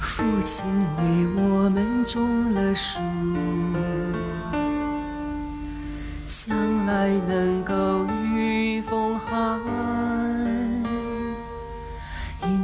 โปรดติดตามตอนต่อไป